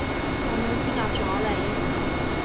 我冇資格阻你